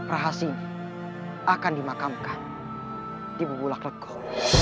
rahasinya akan dimakamkan di bubulak letak